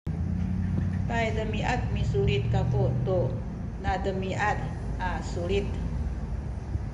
paydemiad misulit kaku tu nademiad a sulit